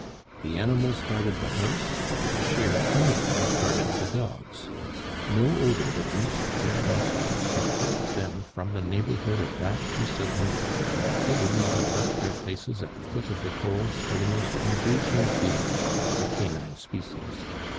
The animals guarded the house, and sheer hunger guarded the dogs. No odor that reached their nostrils could tempt them from the neighborhood of that piece of meat; they would not have left their places at the foot of the poles for the most engaging female of the canine species.